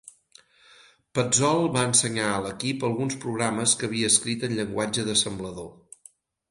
Petzold va ensenyar a l'equip alguns programes que havia escrit en llenguatge d'assemblador.